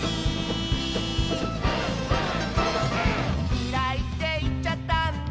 「きらいっていっちゃったんだ」